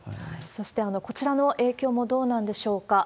そして、こちらの影響もどうなんでしょうか。